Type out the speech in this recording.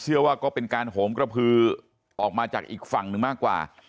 ว่าก็เป็นการโหมกระพือออกมาจากอีกฝั่งหนึ่งมากกว่า